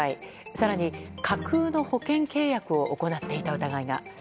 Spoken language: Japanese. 更に、架空の保険契約を行っていた疑いが。